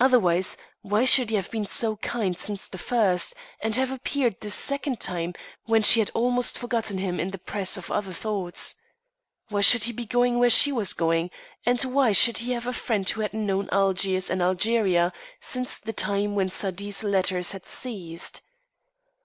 Otherwise, why should he have been so kind since the first, and have appeared this second time, when she had almost forgotten him in the press of other thoughts? Why should he be going where she was going, and why should he have a friend who had known Algiers and Algeria since the time when Saidee's letters had ceased?